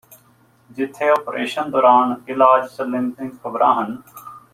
ਜਿੱਥੇ ਆਪ੍ਰੇਸ਼ਨ ਦੋਰਾਨ ਇਲਾਜ਼ ਚੱਲਣ ਦੀਆਂ ਖ਼ਬਰਾ ਹਨ